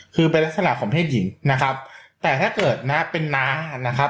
คือเป็นลักษณะของเพศหญิงแต่ถ้าเกิดเป็นน้า